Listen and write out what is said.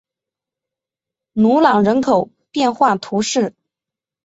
努朗人口变化图示